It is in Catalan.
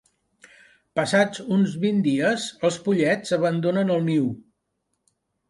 Passats uns vint dies, els pollets abandonen el niu.